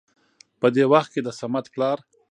په دې وخت کې د صمد پلار